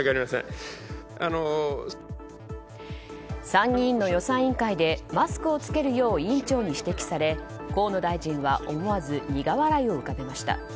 参議院の予算委員会でマスクを着けるよう委員長に指摘され河野大臣は、思わず苦笑いを浮かべました。